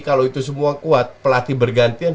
kalau itu semua kuat pelatih bergantian